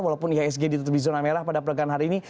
walaupun ihsg ditutupi zona merah pada perdagangan hari ini